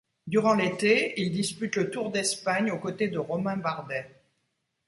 Durant l'été, il dispute le Tour d'Espagne aux côtés de Romain Bardet.